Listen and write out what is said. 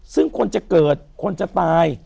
ซึ่งคนจะเกิดคนจะตาย